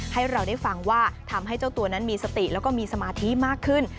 ให้เราได้ฟังว่าทำให้เจ้าตัวนั้นมีสติแล้วก็มีสมาธิมากขึ้น